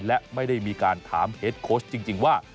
และไม่ได้มีการถามเฮดโค้ชจริงว่า